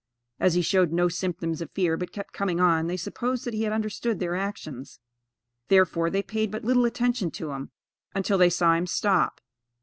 As he showed no symptoms of fear, but kept coming on, they supposed that he had understood their actions; therefore, they paid but little attention to him, until they saw him stop.